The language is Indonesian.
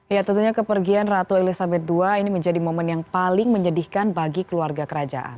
ya tentunya kepergian ratu elizabeth ii ini menjadi momen yang paling menyedihkan bagi keluarga kerajaan